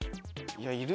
いるいる。